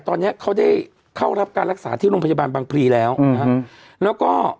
ตอนนี้เขาได้เข้ารับการรักษาที่โรงพยาบาลบางพลีแล้วนะฮะแล้วก็